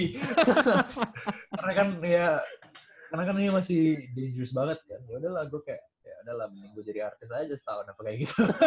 karena kan ya karena kan ini masih dangerous banget kan yaudah lah gua kayak yaudah lah mending gua jadi artis aja setahun apa kayak gitu